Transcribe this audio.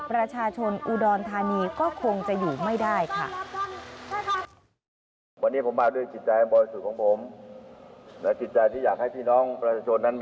ประชาชนอุดรธานีก็คงจะอยู่ไม่ได้ค่ะ